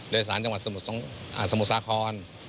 โดยสารจังหวัดสมุทรสาคร